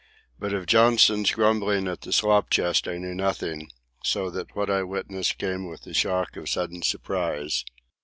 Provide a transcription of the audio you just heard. But of Johnson's grumbling at the slop chest I knew nothing, so that what I witnessed came with a shock of sudden surprise.